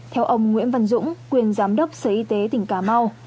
theo ông nguyễn văn dũng quyền giám đốc sở y tế tỉnh cà mau